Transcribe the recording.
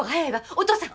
お父さん。